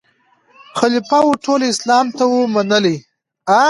خلیفه وو ټول اسلام ته وو منلی